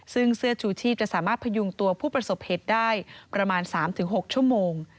ซึ่งเสื้อชูชีพจะสามารถพยุงตัวผู้ประสบเหตุได้ประมาณ๓๖ชั่วโมง